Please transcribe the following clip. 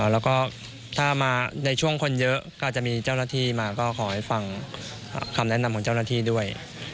แล้วก็ถ้ามาในช่วงคนเยอะก็อาจจะมีเจ้าหน้าที่มาก็ขอให้ฟังคำแนะนำของเจ้าหน้าที่ด้วย